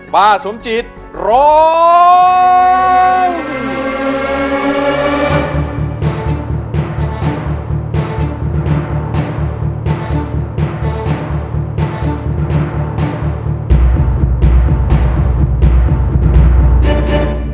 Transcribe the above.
ป้าสมจิตร้อง